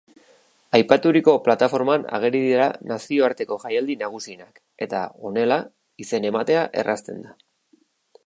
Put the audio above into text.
Aipaturiko plataforman ageri dira nazioarteko jaialdi nagusienak eta honela, izen-ematea errazten da.